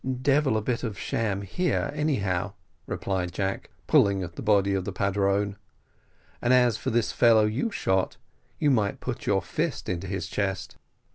"Devil a bit of sham here, anyhow," replied Jack, pulling at the body of the padrone, "and as for this fellow you shot, you might put your fist into his chest.